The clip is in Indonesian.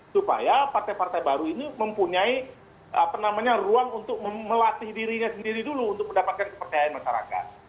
supaya partai partai baru ini mempunyai ruang untuk melatih dirinya sendiri dulu untuk mendapatkan kepercayaan masyarakat